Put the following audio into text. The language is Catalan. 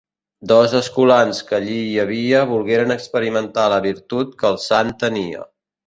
Dos escolans que allí hi havia volgueren experimentar la virtut que el sant tenia.